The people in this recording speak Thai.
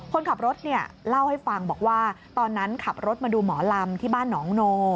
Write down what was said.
คนขับรถเนี่ยเล่าให้ฟังบอกว่าตอนนั้นขับรถมาดูหมอลำที่บ้านหนองโน